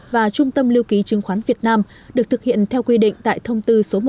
và trung tâm lưu ký chứng khoán việt nam được thực hiện theo quy định tại thông tư số một trăm hai mươi bảy